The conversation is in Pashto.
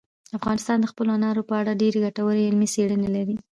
افغانستان د خپلو انارو په اړه ډېرې ګټورې علمي څېړنې لري.